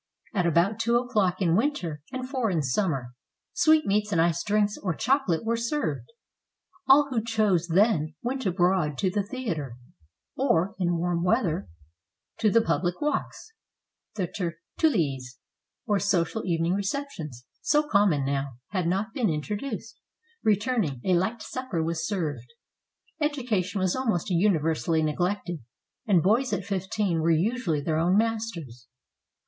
At about two o'clock in winter, and four in summer, sweetmeats and iced drinks or chocolate were served. All who chose then went abroad to the theater; or, in warm weather, to the pub 526 SPANISH HOME LIFE lie walks. The tertulias, or social evening receptions, so common now, had not then been introduced. Return ing, a light supper was served. Education was almost universally neglected; and boys at fifteen were usually their own masters.